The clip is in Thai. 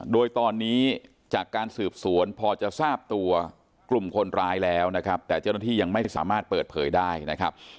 โดยตอนนี้จากการสืบสวนพอจะทราบตัวกลุ่มคนร้ายแล้วนะครับแต่เจ้าหน้าที่ยังไม่สามารถเปิดเผยได้นะครับ